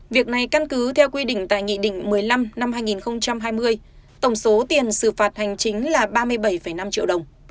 việc này căn cứ theo quy định tại nghị định một mươi năm năm hai nghìn hai mươi tổng số tiền xử phạt hành chính là ba mươi bảy năm triệu đồng